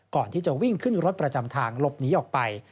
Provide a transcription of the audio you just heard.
ก่อนที่จะวิ่งขึ้นรถประจำทางหลบหนีออกไป